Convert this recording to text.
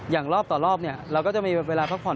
อย่างรอบต่อรอบเนี่ยเราก็จะมีเวลาพักผ่อน